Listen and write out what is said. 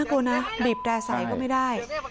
น่ากลัวนะบีบแดดใส่ก็ไม่ได้